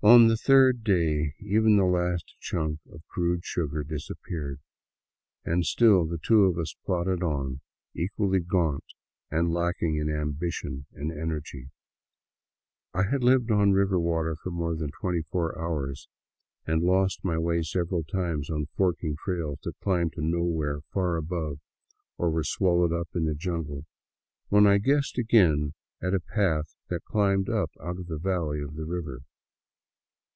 On the third day even the last chunk of crude sugar disappeared, and still the two of us plodded on, equally gaunt and lacking in ambition and energy. I had lived on river water for more than twenty four hours, and lost my way several times on forking trails that climbed to nowhere far above, or were swallowed up in the jungle, when I guessed again at a path that climbed up out of the valley of the river.